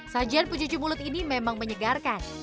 sajian pencuci mulut ini memang menyegarkan